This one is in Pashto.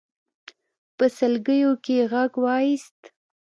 په سلګيو کې يې غږ واېست.